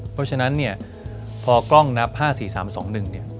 เพราะฉะนั้นเนี่ยพอกล้องนับ๕๔๓๒๑เนี่ย